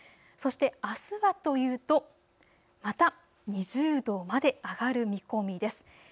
そして、あすはというとまた２０度まで上がる見込みです。